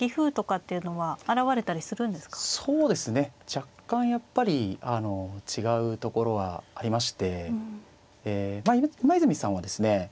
若干やっぱり違うところはありまして今泉さんはですね